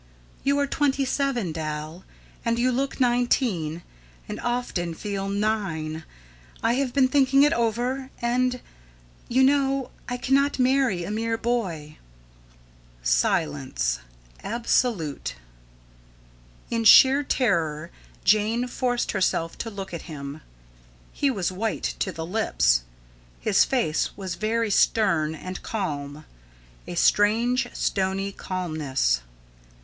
You are twenty seven, Dal, and you look nineteen, and often feel nine. I have been thinking it over, and you know I cannot marry a mere boy." Silence absolute. In sheer terror Jane forced herself to look at him. He was white to the lips. His face was very stern and calm a strange, stony calmness.